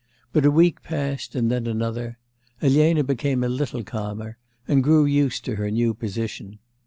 But a week passed and then another.... Elena became a little calmer, and grew used to her new position.